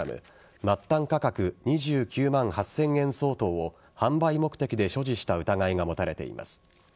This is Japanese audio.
末端価格２９万８０００円相当を販売目的で所持した疑いが持たれています。